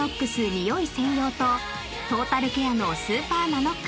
ニオイ専用とトータルケアのスーパーＮＡＮＯＸ